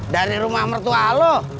dari rumah mertua lo